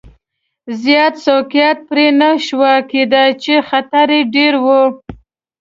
زیات سوقیات پرې نه شوای کېدای چې خطر یې ډېر و.